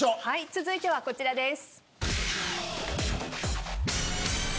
続いてはこちらです。